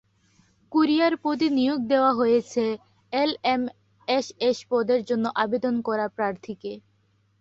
Courier পদে নিয়োগ দেওয়া হয়েছে এলএমএসএস পদের জন্য আবেদন করা প্রার্থীকে।